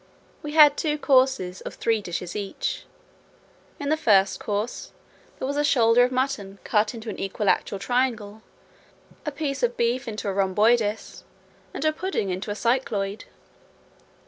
We had two courses, of three dishes each. In the first course, there was a shoulder of mutton cut into an equilateral triangle, a piece of beef into a rhomboides, and a pudding into a cycloid.